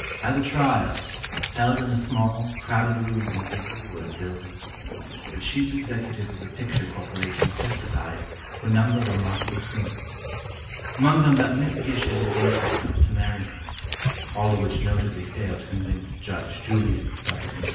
At the trial, held in a small, crowded room of the Woolworth Building, the chief executive of the picture corporation testified to a number of remarkable things, among them that Miss Gish had engaged herself to marry him, all of which notably failed to convince Judge Julian W.